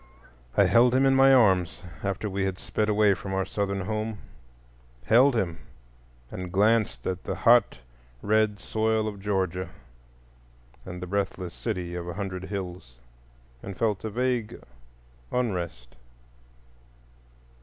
I held him in my arms, after we had sped far away from our Southern home,—held him, and glanced at the hot red soil of Georgia and the breathless city of a hundred hills, and felt a vague unrest.